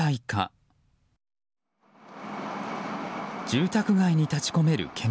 住宅街に立ち込める煙。